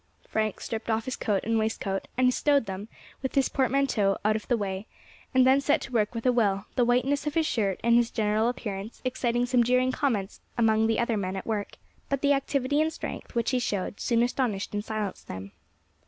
Frank stripped off his coat and waistcoat, and stowed them, with his portmanteau, out of the way, and then set to work with a will, the whiteness of his shirt, and his general appearance, exciting some jeering comments among the other men at work; but the activity and strength which he showed soon astonished and silenced them.